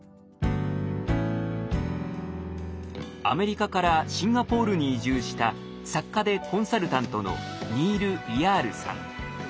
アメリカからシンガポールに移住した作家でコンサルタントのニール・イヤールさん。